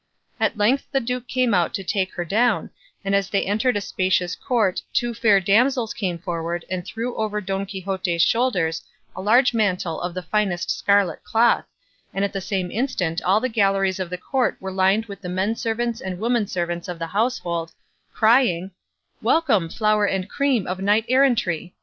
At length the duke came out to take her down, and as they entered a spacious court two fair damsels came forward and threw over Don Quixote's shoulders a large mantle of the finest scarlet cloth, and at the same instant all the galleries of the court were lined with the men servants and women servants of the household, crying, "Welcome, flower and cream of knight errantry!"